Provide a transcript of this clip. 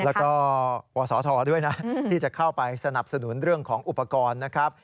แล้วก็วศธด้วยนะที่จะเข้าไปสนับสนุนเรื่องของอุปกรณ์นะครับ